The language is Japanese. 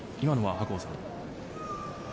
白鵬さん。